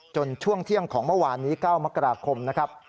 ช่วงเที่ยงของเมื่อวานนี้๙มกราคมนะครับ